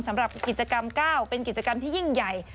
สำหรับกิจกรรม๙เป็นกิจกรรมที่ยิ่งใหญ่